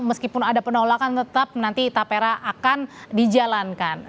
meskipun ada penolakan tetap nanti tapera akan dijalankan